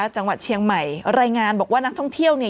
จังหวัดเชียงใหม่รายงานบอกว่านักท่องเที่ยวเนี่ย